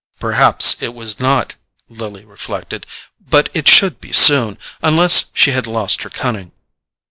Perhaps it was not, Lily reflected; but it should be soon, unless she had lost her cunning.